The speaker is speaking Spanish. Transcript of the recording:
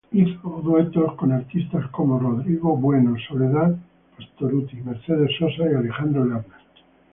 Hizo duetos con artistas como Rodrigo Bueno, Soledad Pastorutti, Mercedes Sosa y Alejandro Lerner.